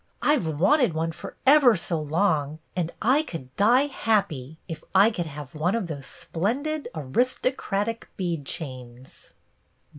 I Ve wanted one for ever so long, and I could die happy if I could have one of those splendid, aristo cratic bead chains."